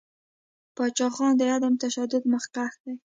پاچاخان د عدم تشدد مخکښ دی.